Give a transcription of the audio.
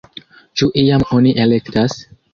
Ĉu iam oni elektas?